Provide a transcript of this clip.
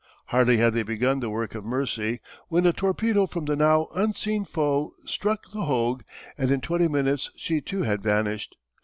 Hardly had they begun the work of mercy when a torpedo from the now unseen foe struck the Hogue and in twenty minutes she too had vanished.